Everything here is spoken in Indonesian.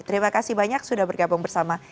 terima kasih banyak sudah bergabung bersama